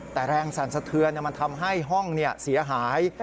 แต่แรงสั่นสะเทือนมันทำให้ห้องเสียหาย